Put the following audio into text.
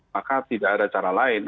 maka tidak ada cara lain